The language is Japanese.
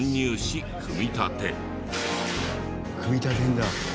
組み立てるんだ。